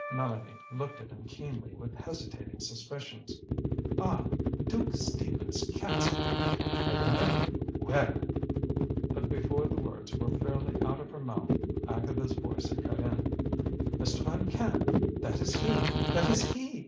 Mélanie looked at him keenly, with hesitating suspicions. "Ah! Duke Stephen's cat's paw! I remember you well!" But before the words were fairly out of her mouth, Agatha's voice had cut in: "Mr. Van Camp, that is he! That is he!